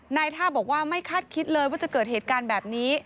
นายท่าบอกว่าไม่คาดคิดเลยว่าจะเกิดเหตุการณ์แบบนี้